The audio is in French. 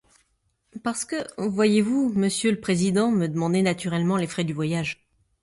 Parce que, voyez-vous, monsieur le président me demandait naturellement les frais du voyage.